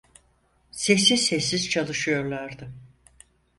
Sessiz sessiz çalışıyorlardı.